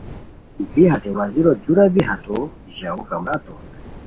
بی بی ہتے وزیرو دورا بی ہتو ژاؤ کمرا توریتائے